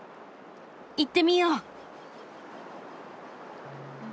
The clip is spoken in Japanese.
行ってみよう。